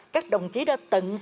các đồng chí đã tăng cường